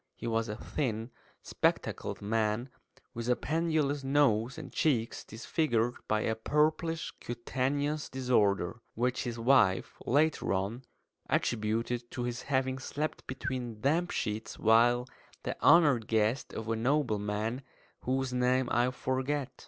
He was a thin, spectacled man, with a pendulous nose and cheeks disfigured by a purplish cutaneous disorder (which his wife, later on, attributed to his having slept between damp sheets while the honoured guest of a nobleman, whose name I forget).